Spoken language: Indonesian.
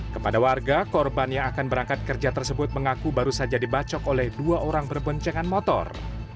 kepada warga korban yang akan berangkat kerja tersebut mengaku baru saja dibacok oleh dua orang berboncengan motor